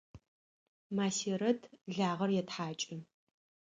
Масирэт лагъэр етхьакӏы.